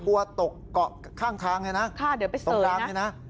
กลัวตกเกาะข้างทางเนี่ยนะค่ะเดี๋ยวไปเสยนะ